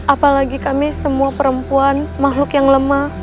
apalagi kami semua perempuan makhluk yang lemah